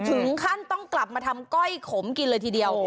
ถึงขั้นต้องกลับมาทำก้อยขมกินเลยทีเดียว